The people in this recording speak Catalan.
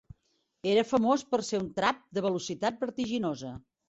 Era famós per ser un trap de velocitat vertiginosa.